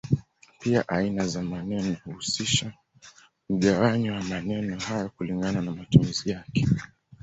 Pia aina za maneno huhusisha mgawanyo wa maneno hayo kulingana na matumizi yake.